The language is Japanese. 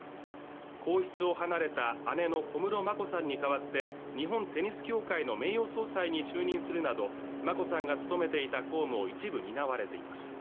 皇室を離れた姉の小室眞子さんに代わって日本テニス協会の名誉総裁に就任するなど、真子さんが務めていた公務を一部担われています。